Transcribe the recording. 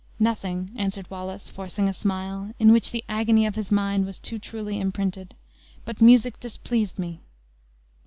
"Nothing," answered Wallace, forcing a smile, in which the agony of his mind was too truly imprinted; "but music displeased me."